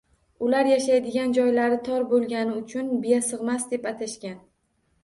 Ular yashaydigan joylari tor bo‘lgani uchun biyasig‘mas deb atashgan.